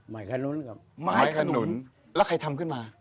ไม้ขนุนครับไม้ขนุนแล้วใครทำขึ้นมา